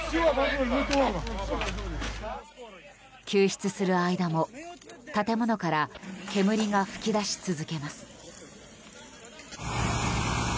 救出する間も建物から煙が噴き出し続けます。